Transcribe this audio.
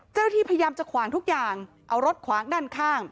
เจ้าหน้าที่พยายามจะขวางทุกอย่างเอารถขวางด้านข้าง